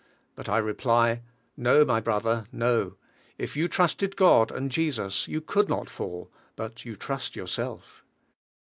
But I reply, "No, my brother; no; if you trusted God and Jesus, you could not fall, but you trust yourself."